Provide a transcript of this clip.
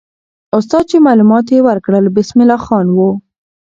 استاد چې معلومات یې ورکړل، بسم الله خان وو.